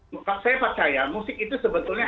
maka saya percaya musik itu sebetulnya